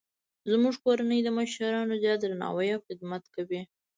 زموږ کورنۍ د مشرانو زیات درناوی او خدمت کوي